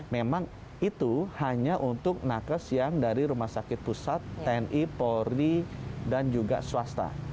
memang itu hanya untuk nakes yang dari rumah sakit pusat tni polri dan juga swasta